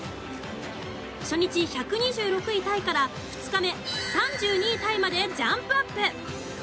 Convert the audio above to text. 初日１２６位タイから２日目、３２位タイまでジャンプアップ。